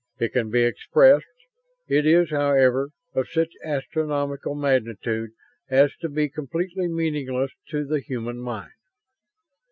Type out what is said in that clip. It can be expressed. It is, however, of such astronomical magnitude as to be completely meaningless to the human mind.